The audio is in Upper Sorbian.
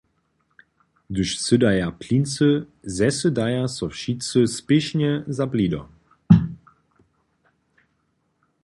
Hdyž sydaja plincy, zesydaja so wšitcy spěšnje za blido.